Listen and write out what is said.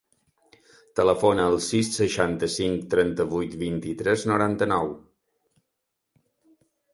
Telefona al sis, seixanta-cinc, trenta-vuit, vint-i-tres, noranta-nou.